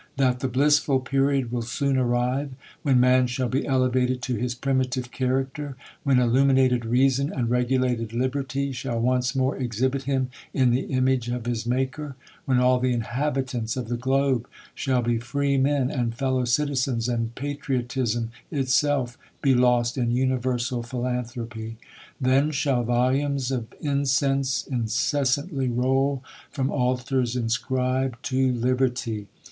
That the blissful period will soon arrive when man shall be elevated to his primitive character; when illuminated reason and regulated liberty shall once more exhibit him in the image of his Maker; when all the inhabitants of the globe shall be freemen and fellow citizens, and patriot ism itself be lost in universal philanthropy. Then shall volumes of incense incessantly roll from altars inscribed to liberty.